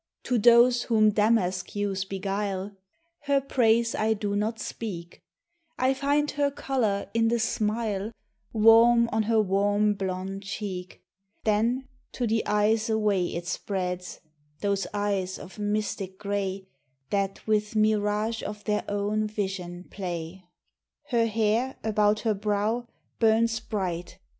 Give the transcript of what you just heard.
To those whom damask hues beguile Her praise I do not speak, I find her colour in the smile Warm on her warm, blond cheek : Then to the eyes away It spreads, those eyes of mystic gray That with mirage of their own vision play. Her h^r, about her brow, bums bright.